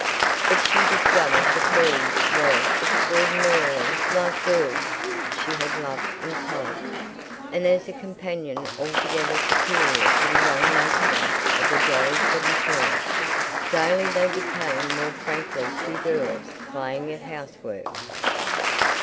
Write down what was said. But she discovered that Bea was extraordinarily like girls she had loved in college, and as a companion altogether superior to the young matrons of the Jolly Seventeen. Daily they became more frankly two girls playing at housework.